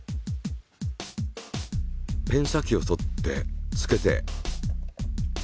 ペン先を取ってつけて。